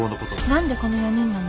何でこの４人なの？